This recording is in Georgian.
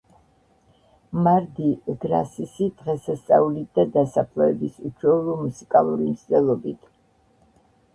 მარდი გრასისი დღესასწაულით და დასაფლავების უჩვეულო მუსიკალური მსვლელობით.